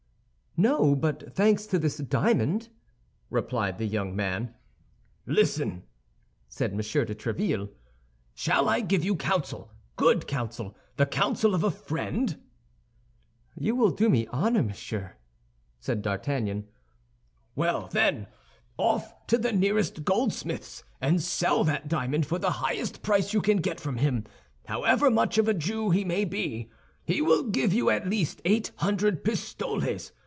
"No; but thanks to this diamond," replied the young man. "Listen," said M. de Tréville; "shall I give you counsel, good counsel, the counsel of a friend?" "You will do me honor, monsieur," said D'Artagnan. "Well, then, off to the nearest goldsmith's, and sell that diamond for the highest price you can get from him. However much of a Jew he may be, he will give you at least eight hundred pistoles.